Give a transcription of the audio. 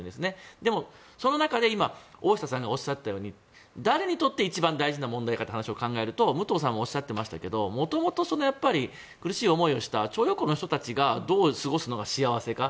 でもその中で今、大下さんがおっしゃったように誰にとって一番大事な問題かという話を考えると武藤さんもおっしゃっていましたけど元々、苦しい思いをした徴用工の人たちがどう過ごすのが幸せか。